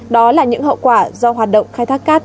đó là những hậu quả do hoạt động khai thác cát